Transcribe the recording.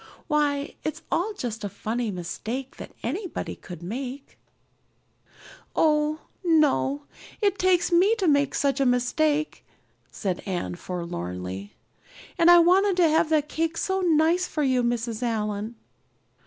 "Why, it's all just a funny mistake that anybody might make." "Oh, no, it takes me to make such a mistake," said Anne forlornly. "And I wanted to have that cake so nice for you, Mrs. Allan."